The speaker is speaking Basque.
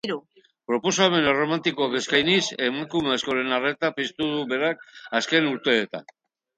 Proposamen erromantikoak eskainiz, emakume askoren arreta piztu du berak azken urteetan.